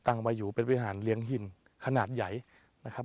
ตั้งไว้อยู่เป็นวิหารเลี้ยงหินขนาดใหญ่นะครับ